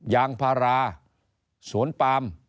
ยางพาราสวนปาม